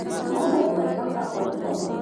هغوی د بالاحصار او سیاه سنگ ترمنځ شپه تېره کړه.